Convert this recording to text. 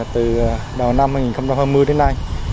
từ đầu năm hai nghìn hai mươi đến nay